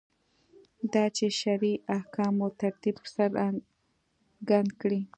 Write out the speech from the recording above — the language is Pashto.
دا چې شرعي احکامو ترتیب څرګند کړي.